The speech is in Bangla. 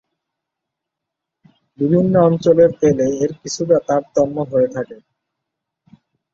বিভিন্ন অঞ্চলের তেলে এর কিছুটা তারতম্য হয়ে থাকে।